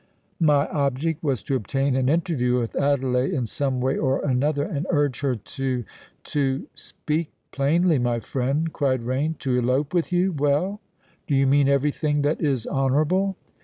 "My object was to obtain an interview with Adelais in some way or another, and urge her to—to——" "Speak plainly, my friend," cried Rain. "To elope with you. Well?—do you mean every thing that is honourable?"